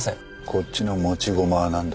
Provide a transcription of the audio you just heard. こっちの持ち駒は何だ。